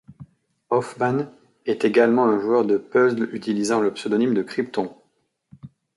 Hoffman est également un joueur de puzzle utilisant le pseudonyme de Crypton.